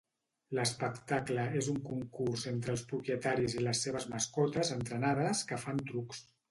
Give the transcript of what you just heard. L'espectacle és un concurs entre els propietaris i les seves mascotes entrenades que fan trucs.